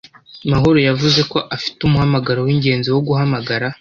Mahoro yavuze ko afite umuhamagaro wingenzi wo guhamagara.